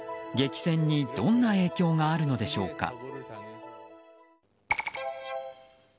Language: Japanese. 激戦にどんな影響があるのでしょうか。